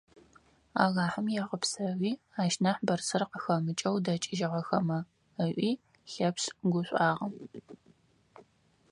«Алахьэм егъэпсэуи ащ нахь бырысыр къыхэмыкӀэу дэкӀыжьыгъэхэмэ», - ыӀуи Лъэпшъ гушӀуагъэ.